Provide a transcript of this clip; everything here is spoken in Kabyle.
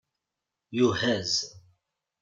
Yuhaz